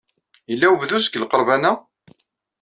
Yella webduz deg lqerban-a?